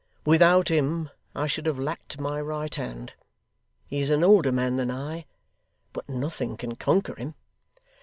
Without him, I should have lacked my right hand. He is an older man than I; but nothing can conquer him.